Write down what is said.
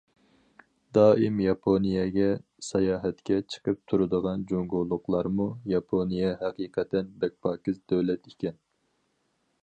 دائىم ياپونىيەگە ساياھەتكە چىقىپ تۇرىدىغان جۇڭگولۇقلارمۇ ياپونىيە ھەقىقەتەن بەك پاكىز دۆلەت ئىكەن.